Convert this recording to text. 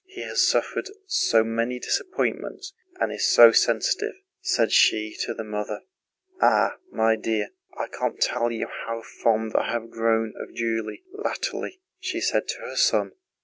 He has suffered so many disappointments and is so sensitive," said she to the mother. "Ah, my dear, I can't tell you how fond I have grown of Julie latterly," she said to her son.